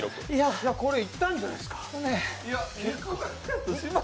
これ、いったんじゃないですか？